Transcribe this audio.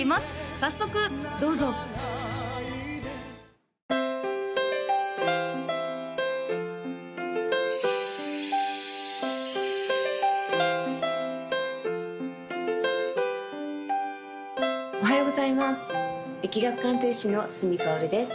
早速どうぞおはようございます易学鑑定士の角かおるです